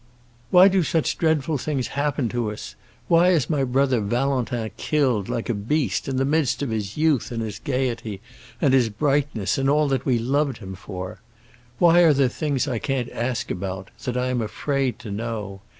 "Why do such dreadful things happen to us—why is my brother Valentin killed, like a beast in the midst of his youth and his gaiety and his brightness and all that we loved him for? Why are there things I can't ask about—that I am afraid to know?